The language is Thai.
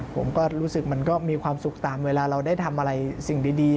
ผมก็รู้สึกมันก็มีความสุขตามเวลาเราได้ทำอะไรสิ่งดี